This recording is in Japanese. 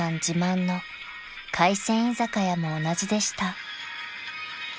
自慢の海鮮居酒屋も同じでした］